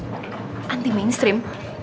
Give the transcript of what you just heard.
hah anti mainstream